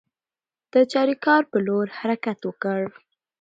د چاریکار پر لور حرکت وکړ.